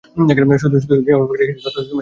শুধু বীমার ব্যাপারে কিছু তথ্য শেয়ার করা উচিত!